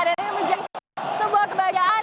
dan ini menjadi sebuah kebahagiaan